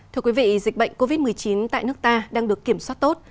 thưa quý vị dịch bệnh covid một mươi chín tại nước ta đang được kiểm soát tốt